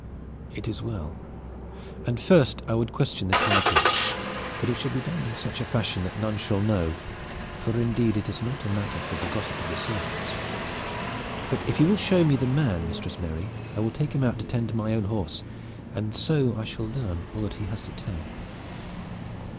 "It is well. And first I would question this Hannekin; but it shall be done in such a fashion that none shall know, for indeed it is not a matter for the gossip of servants. But if you will show me the man, Mistress Mary, I will take him out to tend my own horse, and so I shall learn all that he has to tell."